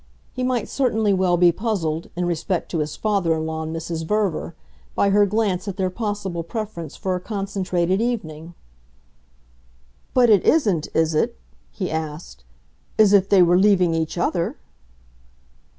He might certainly well be puzzled, in respect to his father in law and Mrs. Verver, by her glance at their possible preference for a concentrated evening. "But it isn't is it?" he asked "as if they were leaving each other?"